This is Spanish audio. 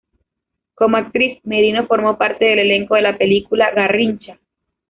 Como actriz, Merino formó parte del elenco de la película "Garrincha.